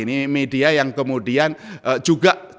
ini media yang kemudian juga